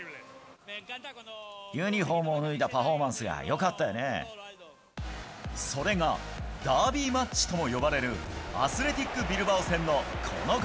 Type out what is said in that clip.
ユニホームを脱いだパフォーそれが、ダービーマッチとも呼ばれるアスレティック・ビルバオ戦のこのゴ